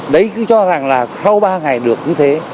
đấy cứ cho rằng là sau ba ngày được như thế